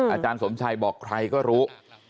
อาจารย์สมชัยบอกใครก็รู้